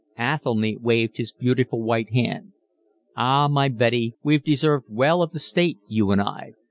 Athelny waved his beautiful white hand. "Ah, my Betty, we've deserved well of the state, you and I.